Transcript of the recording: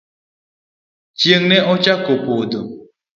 Chieng' ne ochako podho.